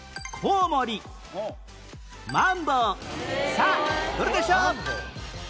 さあどれでしょう？